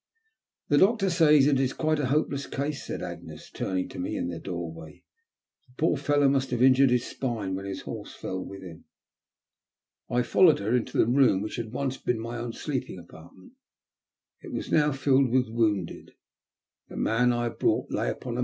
The doctor says it is quite a hopeless case," said Agnes, turning to me in the doorway ;" the poor fellow must have injured his spine when his horse fell with him." I followed her into the room which had once been my own sleeping apartment. It was now filled with wounded. The man I had brought in lay upon a 970 THE LUST OF BATE.